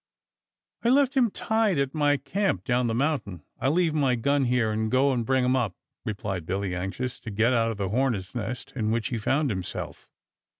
"I left him tied at my camp down the mountain. I'll leave my gun here and go and bring him up," replied Billy anxious to get out of the hornet's nest in which he found himself.